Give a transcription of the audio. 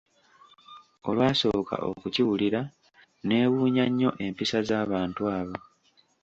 Olwasooka okukiwulira neewuunya nnyo empisa z'abantu abo.